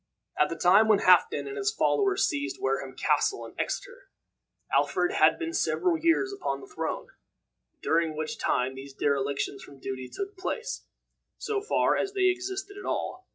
At the time when Halfden and his followers seized Wareham Castle and Exeter, Alfred had been several years upon the throne, during which time these derelictions from duty took place, so far as they existed at all.